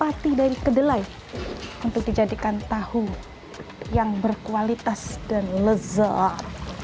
hati dari kedelai untuk dijadikan tahu yang berkualitas dan lezat